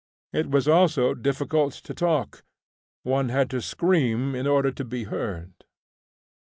It was also difficult to talk; one had to scream in order to be heard.